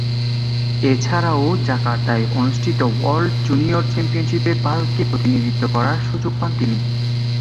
এছাড়াও, জাকার্তায় অনুষ্ঠিত world junior চ্যাম্পিয়নশিপে ভারতকে প্রতিনিধিত্ব করার সুযোগ পান তিনি।